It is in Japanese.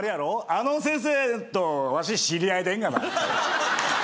あの先生とわし知り合いでんがな。